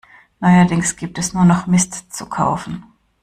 Neuerdings gibt es nur noch Mist zu kaufen.